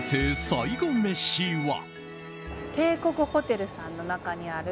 最後メシは。